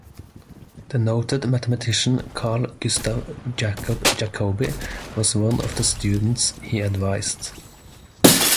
The noted mathematician Carl Gustav Jacob Jacobi was one of the students he advised.